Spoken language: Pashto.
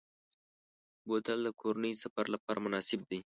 بوتل د کورنۍ سفر لپاره مناسب دی.